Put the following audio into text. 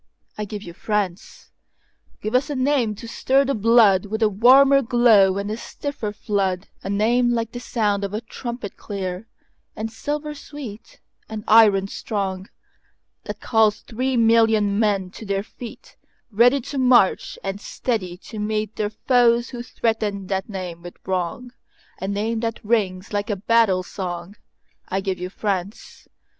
I give you France! Give us a name to stir the bloodWith a warmer glow and a swifter flood,—A name like the sound of a trumpet, clear, And silver sweet, and iron strong, That calls three million men to their feet, Ready to march, and steady to meetThe foes who threaten that name with wrong,—A name that rings like a battle song.I give you France!